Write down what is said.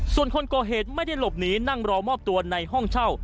ส่วนคนก่อเหตุไม่ได้หลบหนีนั่งรอมอบตัวในห้องเช่า